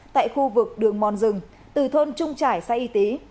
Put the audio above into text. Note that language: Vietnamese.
tại khu vực đường mòn rừng từ thôn trung trải xã y tý